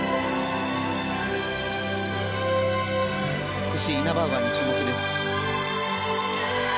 美しいイナバウアーに注目です。